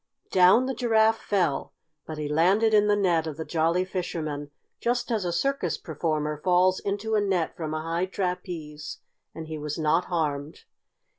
Down the Giraffe fell, but he landed in the net of the Jolly Fisherman, just as a circus performer falls into a net from a high trapeze, and he was not harmed.